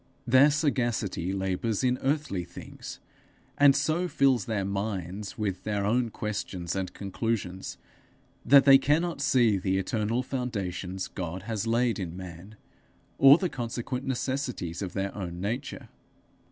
Their sagacity labours in earthly things, and so fills their minds with their own questions and conclusions, that they cannot see the eternal foundations God has laid in man, or the consequent necessities of their own nature.